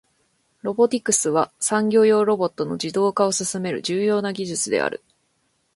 ロボティクスは、産業用ロボットの自動化を進める重要な技術である。